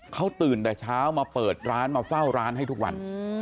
เขาตื่นแต่เช้ามาเปิดร้านมาเฝ้าร้านให้ทุกวัน